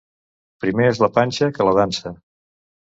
Primer és la panxa que la dansa.